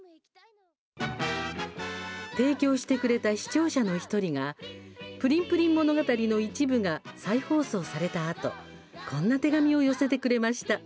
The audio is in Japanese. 提供してくれた視聴者の１人が「プリンプリン物語」の一部が再放送されたあとこんな手紙を寄せてくれました。